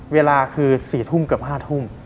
เวลาคือ๔ทุ่มเกือบ๕ทุ่ม